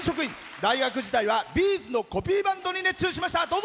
大学時代はＢ’ｚのコピーバンドに熱中しました。